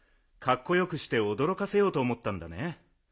かっこよくしておどろかせようとおもったんだね。